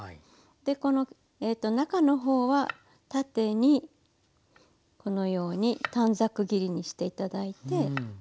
でこの中の方は縦にこのように短冊切りにして頂いて。